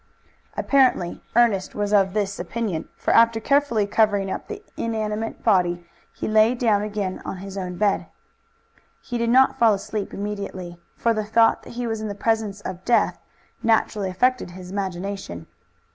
Apparently Ernest was of this opinion, for after carefully covering up the inanimate body he lay down again on his own bed. He did not fall asleep immediately, for the thought that he was in the presence of death naturally affected his imagination.